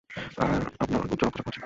আর আপনার উচ্চ রক্তচাপও আছে।